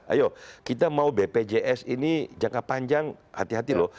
ayo kita mau bpjs ini jangka panjang hati hati loh